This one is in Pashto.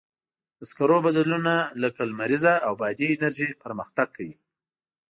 د سکرو بدیلونه لکه لمریزه او بادي انرژي پرمختګ کوي.